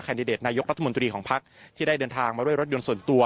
ดิเดตนายกรัฐมนตรีของพักที่ได้เดินทางมาด้วยรถยนต์ส่วนตัว